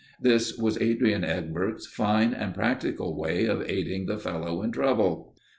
This was Adrian Egbert's fine and practical way of aiding the fellow in trouble.